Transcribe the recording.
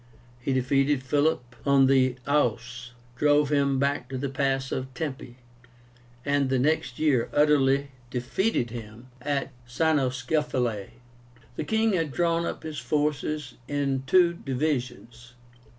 He defeated Philip on the Aóus, drove him back to the pass of Tempe, and the next year utterly defeated him at CYNOSCEPHALAE. The king had drawn up his forces in two divisions.